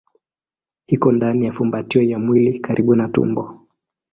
Iko ndani ya fumbatio ya mwili karibu na tumbo.